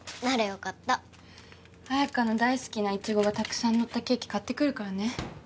彩花の大好きなイチゴがたくさん載ったケーキ買ってくるからね。